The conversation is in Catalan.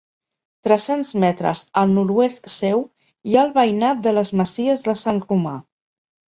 Tres-cents metres al nord-oest seu hi ha el veïnat de les Masies de Sant Romà.